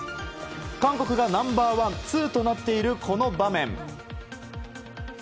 韓国がナンバーワン、ツーとなっているこの場面。